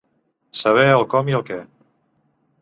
Saber el com i el què.